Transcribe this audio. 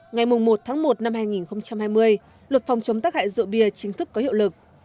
ngày một một hai nghìn hai mươi luật phòng chống tắc hại rượu bia chính thức có hiệu lực